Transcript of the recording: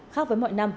khác với mọi năm